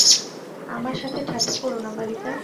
আমার সাথে ঠাট্টা করো না, বালিকা।